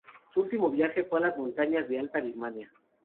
Su último viaje fue a las montañas de la Alta Birmania.